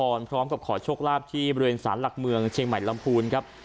พร้อมกับขอโชคลาภที่บริเวณสารหลักเมืองเชียงใหม่ลำพูนครับ